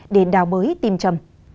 để đào bới tìm chầm